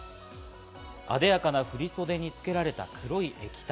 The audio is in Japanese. あでやかな振り袖に付けられた黒い液体。